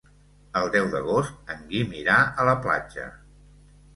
El deu d'agost en Guim irà a la platja.